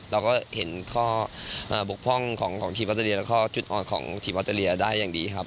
เราก็เห็นข้อบกพร่องของทีมออสเตรเลียแล้วก็จุดอ่อนของทีมออสเตรเลียได้อย่างดีครับ